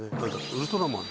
「ウルトラマン」